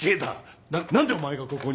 な何でお前がここに！